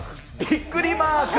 ビックリマーク！